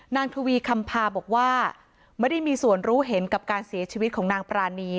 ทวีคำพาบอกว่าไม่ได้มีส่วนรู้เห็นกับการเสียชีวิตของนางปรานี